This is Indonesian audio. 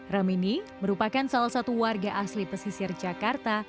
ramini merupakan salah satu warga asli pesisir jakarta